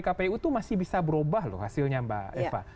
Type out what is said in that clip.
kpu itu masih bisa berubah loh hasilnya mbak eva